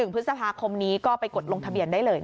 พฤษภาคมนี้ก็ไปกดลงทะเบียนได้เลย